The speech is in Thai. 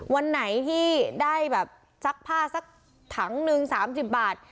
วันไหนที่ได้แบบซักผ้าสักถังหนึ่ง๓๐บาท